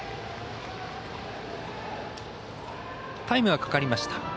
タイムがかかりました。